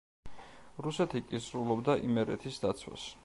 რუსეთი კისრულობდა იმერეთის დაცვას.